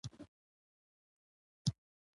ویل خدای دي عوض درکړي ملاجانه